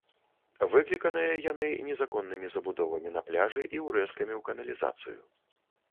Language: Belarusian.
Выкліканыя яны незаконнымі забудовамі на пляжы і ўрэзкамі ў каналізацыю.